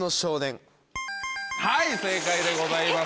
はい正解でございます。